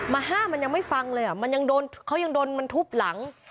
ห้ามมันยังไม่ฟังเลยอ่ะมันยังโดนเขายังโดนมันทุบหลัง